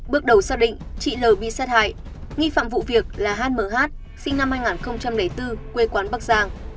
bước đầu xác định chị l t t l bị xét hại nghi phạm vụ việc là h m h sinh năm hai nghìn bốn quê quán bắc giang